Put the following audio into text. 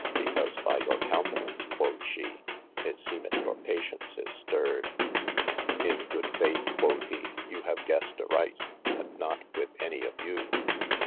Because by your countenaunce (quod she) it seemeth your patience is stirred. In good faith, quod he, you have gessed aright, but not with any of you.